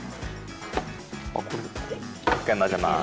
１回混ぜます。